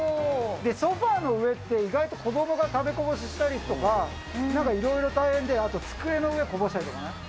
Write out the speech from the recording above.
ソファーの上って意外と、子どもが食べこぼししたりとか、なんかいろいろ大変で、あと机の上こぼしたりとかね。